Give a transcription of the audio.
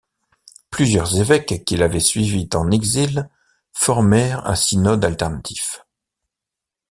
Plusieurs évêques qui l'avaient suivi en exil formèrent un synode alternatif.